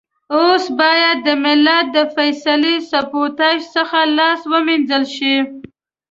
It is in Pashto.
اوس بايد د ملت د فيصلې سبوتاژ څخه لاس و مينځل شي.